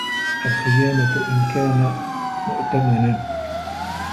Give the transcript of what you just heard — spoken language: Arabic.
الْخِيَانَةُ إنْ كَانَ مُؤْتَمَنًا